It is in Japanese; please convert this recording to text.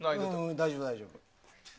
大丈夫、大丈夫。